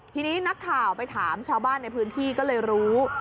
ทีนี้นักข่าวไปถามชาวบ้านในพื้นที่ก็เลยรู้